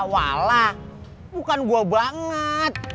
walah bukan gue banget